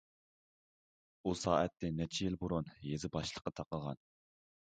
ئۇ سائەتنى نەچچە يىل بۇرۇن يېزا باشلىقى تاقىغان.